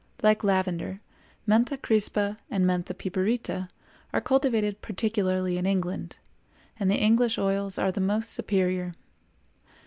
Like lavender, Mentha crispa and M. piperita are cultivated particularly in England, and the English oils are the most superior.